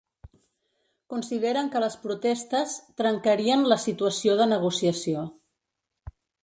Consideren que les protestes ‘trencarien la situació de negociació’.